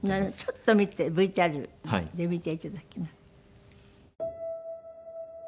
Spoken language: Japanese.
ちょっと見てＶＴＲで見ていただきます。